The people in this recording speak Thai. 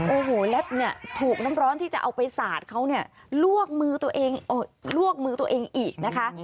โอ้โหและถูกน้ำร้อนที่จะเอาไปสาดเขาลวกมือตัวเองอีกนะคะ